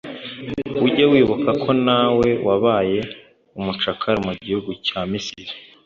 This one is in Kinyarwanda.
ujye wibuka ko nawe wabaye umucakara mu gihugu cya misiri;